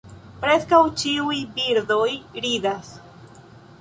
Preskaŭ ĉiuj birdoj ridas.